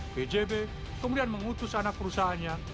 bjb kemudian mengutus anak perusahaannya